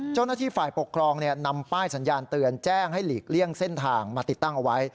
เจ้าหน้าที่ฝ่ายปกครองนำป้ายสัญญาณเตือนแจ้งให้หลีกเลี่ยงเส้นทางมาติดตั้งเอาไว้